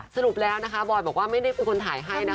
สรุปแล้วนะคะบอยบอกว่าไม่ได้เป็นคนถ่ายให้นะคะ